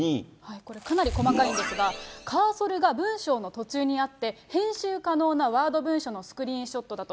これ、かなり細かいんですが、カーソルが文章の途中にあって、編集可能なワード文書のスクリーンショットだと。